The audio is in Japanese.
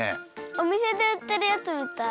おみせでうってるやつみたい。